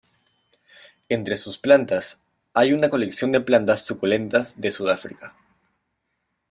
Entre sus plantas hay una colección de plantas suculentas de Sudáfrica.